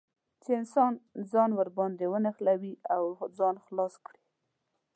چې انسان ځان ور باندې ونښلوي او ځان خلاص کړي.